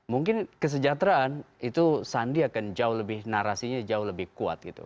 mungkin kesejahteraan itu sandi akan jauh lebih narasinya jauh lebih kuat gitu